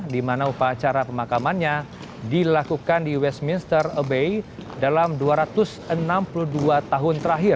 di mana upacara pemakamannya dilakukan di westminster abey dalam dua ratus enam puluh dua tahun terakhir